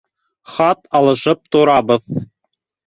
Хат алышып торабыҙ.